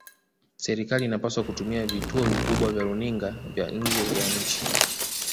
serikali inapaswa kutumia vituo vikubwa vya runinga vya nje ya nchi